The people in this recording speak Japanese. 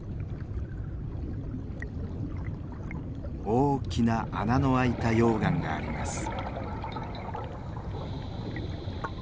大きな穴の開いた溶岩があります。